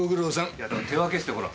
いやだから手分けしてほら。